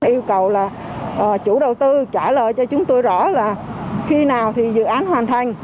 yêu cầu là chủ đầu tư trả lời cho chúng tôi rõ là khi nào thì dự án hoàn thành